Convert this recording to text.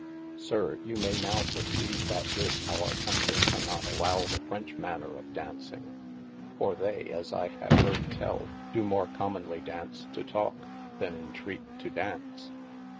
Sir you may now perceyve that this our countrie cannot allowe the French manner of dauncing, for they (as I have heard tell) do more commonly daunce to talke, then entreate to daunce.